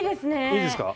いいですか？